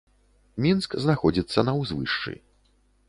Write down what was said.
Мінск знаходзіцца на ўзвышшы.